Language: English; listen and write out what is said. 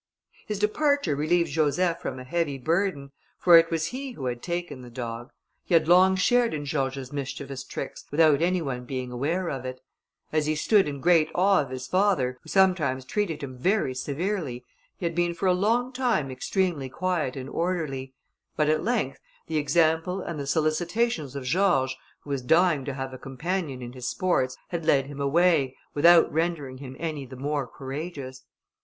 His departure relieved Joseph from a heavy burden, for it was he who had taken the dog. He had long shared in George's mischievous tricks without any one being aware of it. As he stood in great awe of his father, who sometimes treated him very severely, he had been for a long time extremely quiet and orderly, but at length the example and the solicitations of George, who was dying to have a companion in his sports, had led him away, without rendering him any the more courageous.